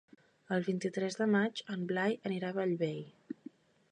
El vint-i-tres de maig en Blai anirà a Bellvei.